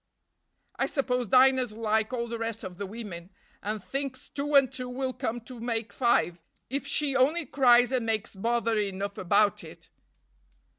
"I suppose Dinah's like all the rest of the women, and thinks two and two will come to make five, if she only cries and makes bother enough about it."